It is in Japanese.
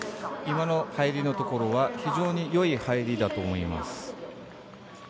今の入りのところは非常によい入りだと思います。